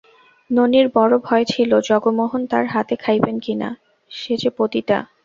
ননির বড়ো ভয় ছিল জগমোহন তার হাতে খাইবেন কি না, সে যে পতিতা।